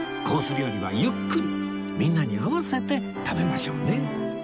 料理はゆっくりみんなに合わせて食べましょうね